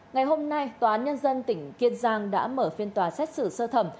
ngày hôm nay tòa án nhân dân tỉnh kiên giang đã mở phiên tòa xét xử sơ thẩm